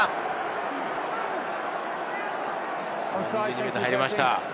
２２ｍ入りました。